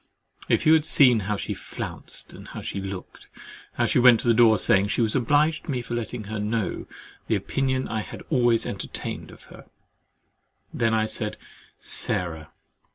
If you had seen how she flounced, and looked, and went to the door, saying "She was obliged to me for letting her know the opinion I had always entertained of her"—then I said, "Sarah!"